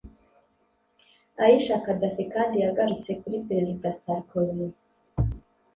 Aisha Kadhafi kandi yagarutse kuri Perezida Sarkozy